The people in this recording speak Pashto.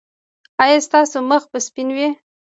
ایا ستاسو مخ به سپین وي؟